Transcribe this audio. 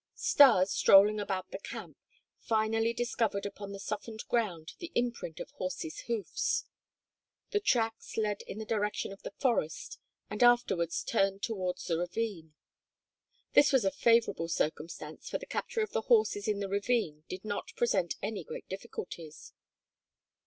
Stas, strolling about the camp, finally discovered upon the softened ground the imprint of horses' hoofs. The tracks led in the direction of the forest and afterwards turned towards the ravine. This was a favorable circumstance for the capture of the horses in the ravine did not present any great difficulties.